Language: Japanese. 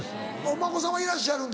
お孫さんはいらっしゃる？